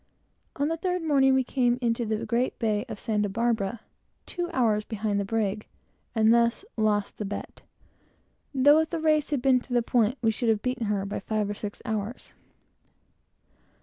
On the third morning, we came into the great bay of Santa Barbara, two hours behind the brig, and thus lost the bet; though, if the race had been to the point, we should have beaten her by five or six hours.